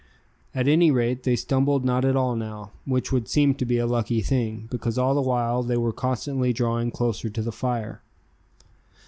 At any rate they stumbled not at all now, which would seem to be a lucky thing, because all the while they were constantly drawing closer to the fire.